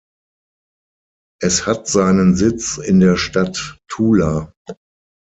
Es hat seinen Sitz in der Stadt Tula.